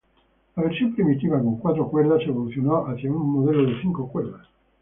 La versión primitiva con cuatro cuerdas evolucionó hacia un modelo de cinco cuerdas.